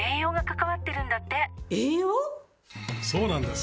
そうなんです！